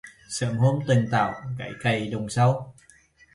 Sớm hôm tần tảo cấy cày đồng sâu